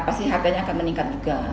pasti harganya akan meningkat